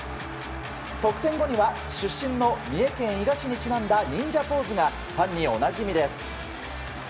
得点後には出身の三重県伊賀市にちなんだ忍者ポーズがファンにおなじみです。